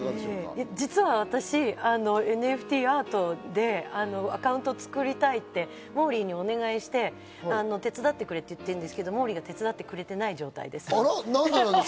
実は私、ＮＦＴアートでアカウントを作りたいって、モーリーにお願いして手伝ってくれって言ってるんですけどモーリーが手伝ってくれてない状態です。